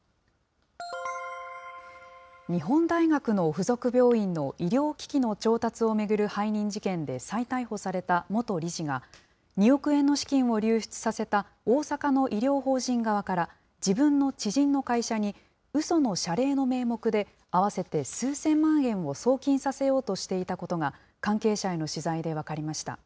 日本大学の付属病院の医療機器の調達を巡る背任事件で再逮捕された元理事が、２億円の資金を流出させた大阪の医療法人側から、自分の知人の会社にうその謝礼の名目で、合わせて数千万円を送金させようとしていたことが、関係者への取材で分かりました。